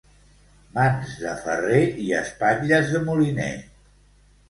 Mans de ferrer i espatles de moliner.